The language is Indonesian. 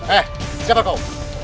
eh siapa kau